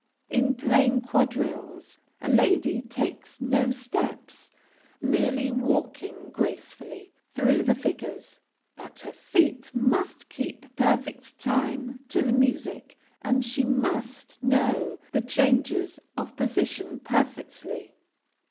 In plain quadrilles, a lady takes no steps, merely walking gracefully through the figures, but her feet must keep perfect time to the music, and she must know the changes of position perfectly.